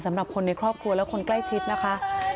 สำหรับคนในครอบครัวและคนใกล้ชิดนะคะ